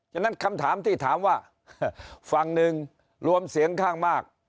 ฉะนั้นคำถามที่ถามว่าฝั่งหนึ่งรวมเสียงข้างมาก